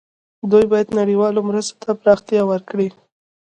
دوی باید نړیوالو مرستو ته پراختیا ورکړي.